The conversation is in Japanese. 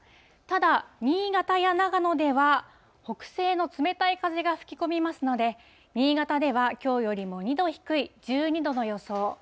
ただ、新潟や長野では、北西の冷たい風が吹き込みますので、新潟ではきょうよりも２度低い、１２度の予想。